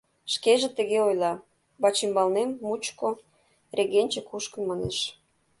Шкеже тыге ойла: вачӱмбалнем мучко регенче кушкын, манеш...